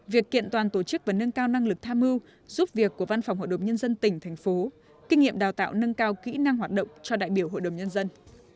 việc kiện toàn tổ chức và nâng cao năng lực tham mưu giúp việc của văn phòng hội đồng nhân dân tỉnh thành phố kinh nghiệm đào tạo nâng cao kỹ năng hoạt động cho đại biểu hội đồng nhân dân